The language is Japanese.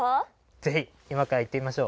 ぜひ今から行ってみましょう。